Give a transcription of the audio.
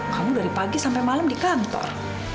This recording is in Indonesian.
kamu dari pagi sampai malam di kantor